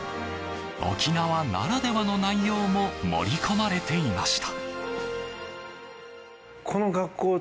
沖縄ならではの内容も盛り込まれていました。